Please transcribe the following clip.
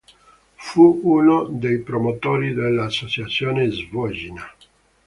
Fu uno dei promotori dell'associazione "Svojina".